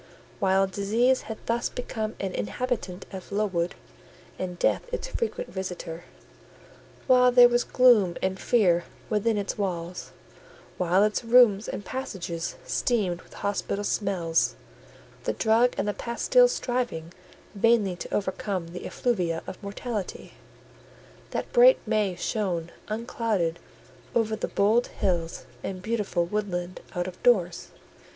While disease had thus become an inhabitant of Lowood, and death its frequent visitor; while there was gloom and fear within its walls; while its rooms and passages steamed with hospital smells, the drug and the pastille striving vainly to overcome the effluvia of mortality, that bright May shone unclouded over the bold hills and beautiful woodland out of doors.